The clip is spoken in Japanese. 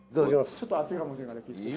ちょっと熱いかもしれない。